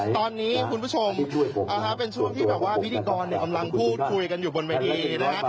ตอนนี้คุณผู้ชมเป็นช่วงที่แบบว่าพิธีกรกำลังพูดคุยกันอยู่บนเวทีนะฮะ